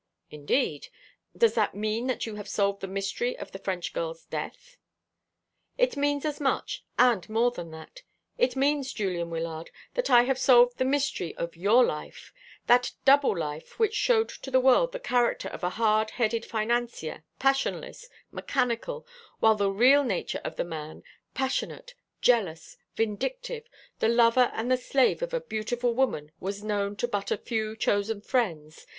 "Indeed! Does that mean that you have solved the mystery of the French girl's death?" "It means as much, and more than that. It means, Julian Wyllard, that I have solved the mystery of your life that double life which showed to the world the character of a hard headed financier, passionless, mechanical, while the real nature of the man, passionate, jealous, vindictive, the lover and the slave of a beautiful woman, was known to but a few chosen friends.